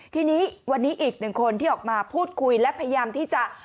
ทีนี้วันนี้อีกหนึ่งคนที่ออกมาพูดคุยและพยายามที่จะ